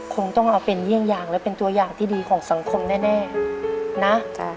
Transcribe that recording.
คงต้องเอาเป็นเยี่ยงอย่างและเป็นตัวอย่างที่ดีของสังคมแน่นะ